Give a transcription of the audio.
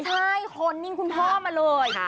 ใช่คนนิ่งคุณพ่อมาเลย